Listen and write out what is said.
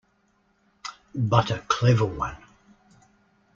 But a clever one.